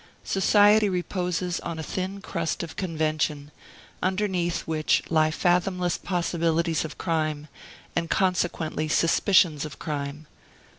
Society reposes on a thin crust of convention, underneath which lie fathomless possibilities of crime, and consequently suspicions of crime.